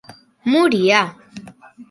Moria!